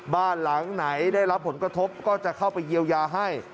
บ้านหลังไหนได้รับผลกระทบก็จะเข้าไปเยียวยาให้